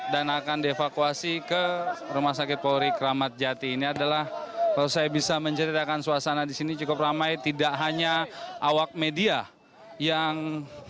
dan akan dievakuasi ke rumah sakit polri keramat jati ini adalah kalau saya bisa menceritakan suasana disini cukup ramai tidak hanya awak media yang